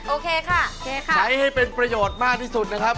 โอเคค่ะใช้ให้เป็นประโยชน์มากที่สุดนะครับ